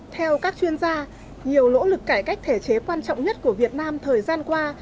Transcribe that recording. theo các chuyên gia nhiều nỗ lực cải cách thể chế quan trọng nhất của việt nam thời gian qua